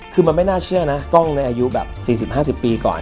คือมันไม่น่าเชื่อนะกล้องในอายุแบบ๔๐๕๐ปีก่อน